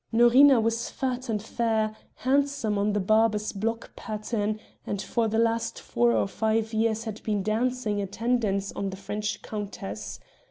Norina was fat and fair, handsome on the barber's block pattern, and for the last four or five years had been dancing attendance on the French countess.